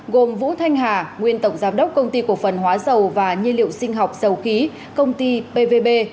gồm vũ thanh hà nguyên tổng giám đốc công ty cổ phần hóa dầu và nhiên liệu sinh học dầu khí công ty pvb